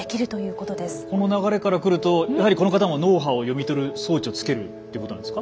この流れから来るとやはりこの方も脳波を読み取る装置をつけるってことなんですか？